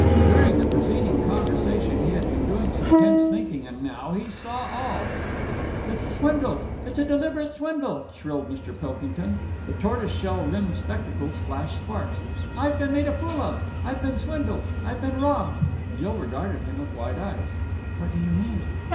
During the preceding conversation he had been doing some tense thinking, and now he saw all. "It's a swindle! It's a deliberate swindle!" shrilled Mr. Pilkington. The tortoise shell rimmed spectacles flashed sparks. "I've been made a fool of! I've been swindled! I've been robbed!" Jill regarded him with wide eyes. "What do you mean?"